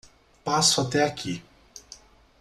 Passo até aqui.